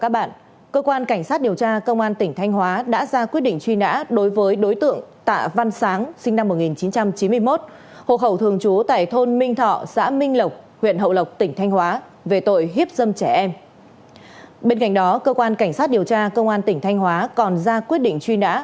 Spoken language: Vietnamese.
bên cạnh đó cơ quan cảnh sát điều tra công an tỉnh thanh hóa còn ra quyết định truy nã